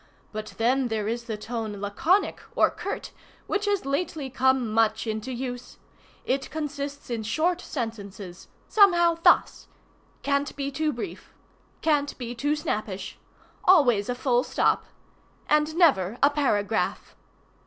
But then there is the tone laconic, or curt, which has lately come much into use. It consists in short sentences. Somehow thus: Can't be too brief. Can't be too snappish. Always a full stop. And never a paragraph.